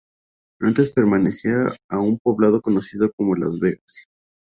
Antes pertenecía a un poblado conocido como "Las Vegas".